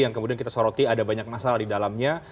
yang kemudian kita soroti ada banyak masalah di dalamnya